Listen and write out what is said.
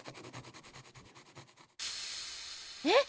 えっ！